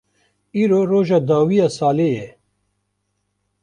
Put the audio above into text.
Îro roja dawî ya salê ye.